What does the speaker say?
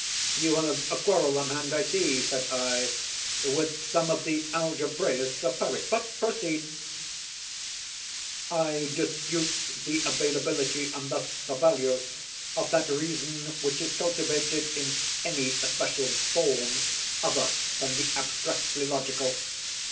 "You have a quarrel on hand, I see," said I, "with some of the algebraists of Paris; but proceed." "I dispute the availability, and thus the value, of that reason which is cultivated in any especial form other than the abstractly logical.